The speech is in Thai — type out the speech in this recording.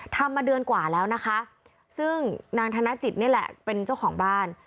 ทำมาเดือนกว่าแล้วนะคะซึ่งนางธนจิตนี่แหละเป็นเจ้าของบ้าน